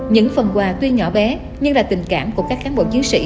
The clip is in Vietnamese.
những phần quà tuy nhỏ bé nhưng là tình cảm của các kháng bộ chứa sĩ